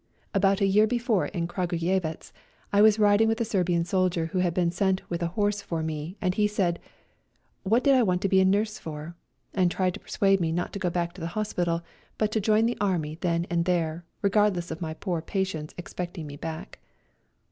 About a year before in Kragujewatz I was riding with a Serbian soldier who had been sent with a horse for me, and he said :" What did I want to be a nurse for ?" and tried to persuade me not to go back to the hospital, but to join the Army then and there, regardless of my poor patients expecting me back.